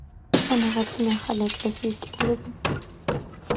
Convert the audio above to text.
მან აღადგინა ახალი ეკლესიის კედლები.